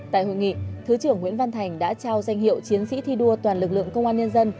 tại hội nghị thứ trưởng nguyễn văn thành đã trao danh hiệu chiến sĩ thi đua toàn lực lượng công an nhân dân